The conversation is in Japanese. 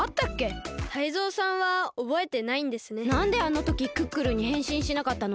なんであのときクックルンにへんしんしなかったの？